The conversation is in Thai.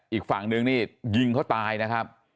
อีกฝั่งนึงนี่ยิงเขาตายนะครับ